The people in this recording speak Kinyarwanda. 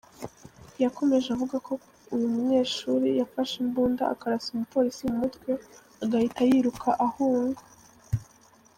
Yakomeje avuga ko uyu munyeshuri yafashe imbunda akarasa umupolisi mu mutwe, agahita yiruka ahunga.